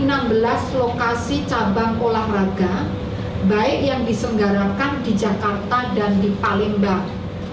informasi prediksi cuaca di enam belas lokasi cabang olahraga baik yang disenggarakan di jakarta dan di palembang